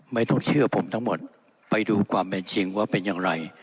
ไม่ต้องเชื่อผมทั้งหมดไปดูความเป็นจริงว่าเป็นอย่างไร